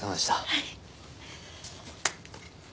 はい。